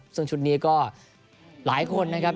ซึ่งชุดนี้ก็หลายคนนะครับ